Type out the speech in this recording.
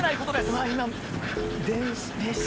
うわ今。